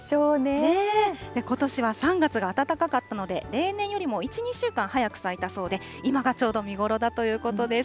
ことしは３月が暖かかったので、例年よりも１、２週間早く咲いたそうで、今がちょうど見頃だということです。